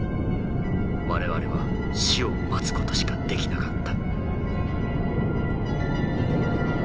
我々は死を待つ事しかできなかった」。